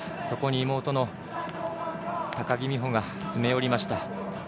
そこに妹の高木美帆が詰め寄りました。